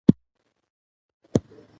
پسه د افغانانو د معیشت سرچینه ده.